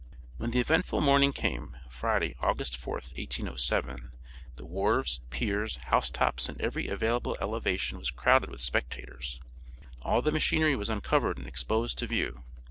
When the eventful morning came, Friday August 4th, 1807, the wharves, piers, housetops, and every available elevation was crowded with spectators. All the machinery was uncovered and exposed to view.